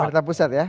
pemerintah pusat ya